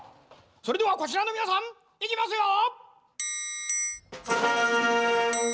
それではこちらのみなさんいきますよ！